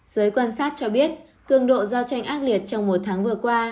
giới quan sát cho biết cường độ giao tranh ác liệt trong một tháng vừa qua